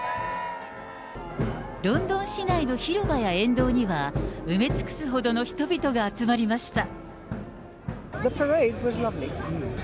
ロンドン市内の広場や沿道には、埋め尽くすほどの人々が集まりました。